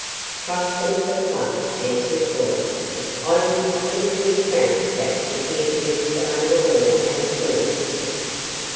"Trust them for fun," answered Cora. "I will simply trounce Jack if he attempts to overhaul our stores."